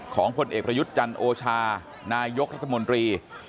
ผลเอกประยุทธ์จันโอชานายกรัฐมนตรี